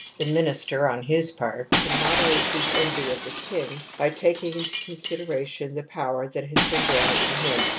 The minister, on his part, can moderate his envy of the king by taking into consideration the power that has been granted to him.